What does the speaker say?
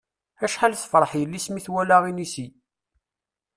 Acḥal tefṛeḥ yelli-s mi twala inisi.